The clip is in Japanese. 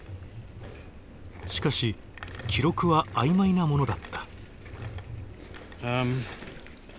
しかし記録は曖昧なものだった。